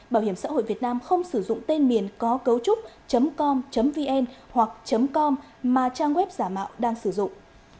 bảo hiểm xã hội việt nam không sử dụng tên miền có cấu trúc com vn hoặc com mà trang web giả mạo đang sử dụng